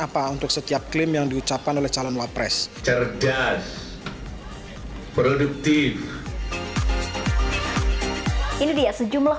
faktanya ini salah